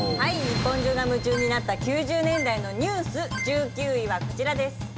日本中が夢中になった９０年代のニュース１９位はこちらです。